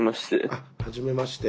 あはじめまして。